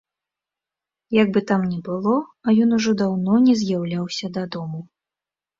Як бы там ні было, а ён ужо даўно не з'яўляўся дадому.